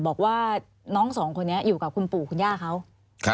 บอกว่าน้องสองคนนี้อยู่กับคุณปู่คุณย่าเขา